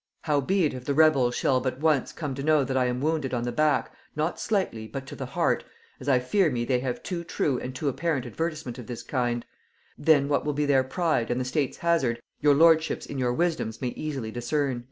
Howbeit if the rebels shall but once come to know that I am wounded on the back, not slightly, but to the heart, as I fear me they have too true and too apparent advertisement of this kind; then what will be their pride and the state's hazard, your lordships in your wisdoms may easily discern."